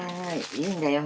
いいんだよ